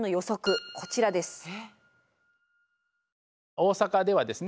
大阪ではですね